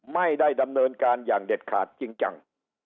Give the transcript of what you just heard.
ไม่ได้ดำเนินการอย่างเด็ดขาดจริงจัง